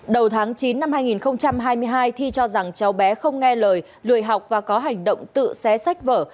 đầu tháng chín năm hai nghìn hai mươi hai thi cho rằng cháu bé không nghe lời lười học và có hành động tự xé sách vở